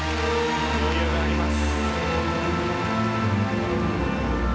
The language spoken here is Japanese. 余裕があります。